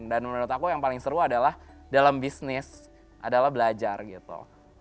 dan menurut aku yang paling seru adalah dalam bisnis adalah belajar gitu